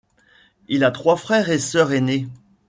Il a trois frères et sœurs aînés.